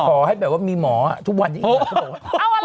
พอให้แบบว่ามีหมออ่ะทุกวันยิ่งหล่อ